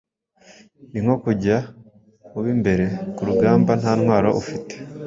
ni nko kujya mu b’imbere ku rugamba nta ntwaro ufite.